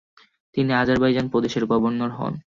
তিনি আজারবাইজান প্রদেশের গভর্নর হন।